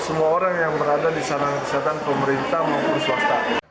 semua orang yang berada di sana kesehatan pemerintah maupun swasta